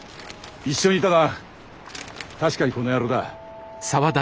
一緒にいたのは確かにこの野郎だ。